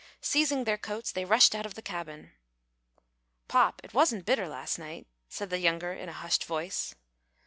Seizing their coats, they rushed out of the cabin. "Pop, it wasn't bitter last night," said the younger, in a hushed voice.